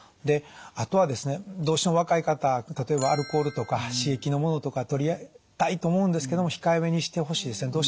であとはですねどうしても若い方例えばアルコールとか刺激のものとかとりたいと思うんですけども控えめにしてほしいですね。